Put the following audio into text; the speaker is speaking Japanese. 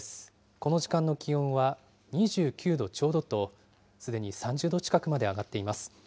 この時間の気温は２９度ちょうどと、すでに３０度近くまで上がっています。